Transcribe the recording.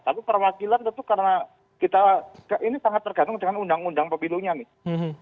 tapi perwakilan tentu karena kita ini sangat tergantung dengan undang undang pemilunya nih